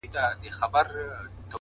خدايه په دې شریر بازار کي رڼایي چیري ده”